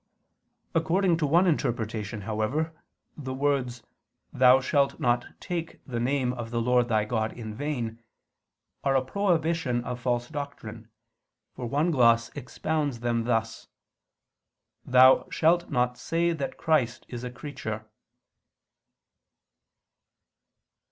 According to one interpretation, however, the words, "Thou shalt not take the name of the Lord thy God in vain," are a prohibition of false doctrine, for one gloss expounds them thus: "Thou shalt not say that Christ is a creature."